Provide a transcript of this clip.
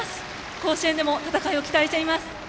甲子園でも戦いを期待しています。